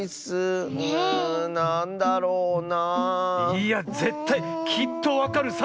いやぜったいきっとわかるさ！